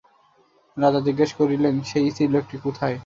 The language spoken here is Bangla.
রাজা জিজ্ঞাসা করিলেন, সেই স্ত্রীলোকটি কোথায়?